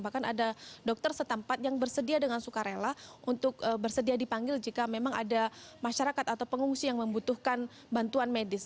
bahkan ada dokter setempat yang bersedia dengan sukarela untuk bersedia dipanggil jika memang ada masyarakat atau pengungsi yang membutuhkan bantuan medis